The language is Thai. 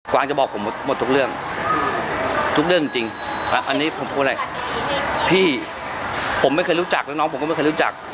วางจะบอกผมหมดทุกเรื่องทุกเรื่องจริงอันนี้ผมพูดอะไรพี่ผมไม่เคยรู้จักแล้วน้องผมก็ไม่เคยรู้จัก